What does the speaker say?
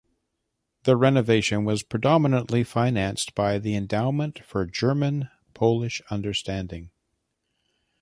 The renovation was predominantly financed by the "Endowment for German-Polish Understanding".